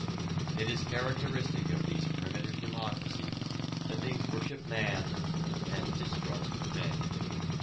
It is characteristic of these primitive democracies that they worship Man and distrust men.